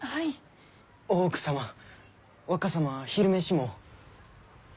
大奥様若様は昼飯も。